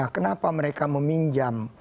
kenapa mereka meminjam